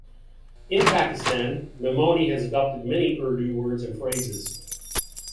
In Pakistan, Memoni has adopted many Urdu words and phrases.